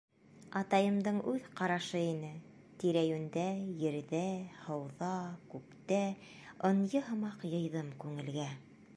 Атайымдың үҙ ҡарашы ине Тирә-йүндә, ерҙә, һыуҙа, күктә Ынйы һымаҡ йыйҙым күңелгә.